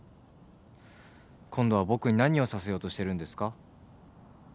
今度は僕に何をさせようとしてるんですか？